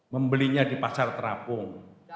membelinya di pasar terapung